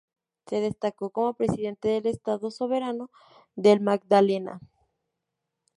Se destacó como Presidente del Estado Soberano del Magdalena.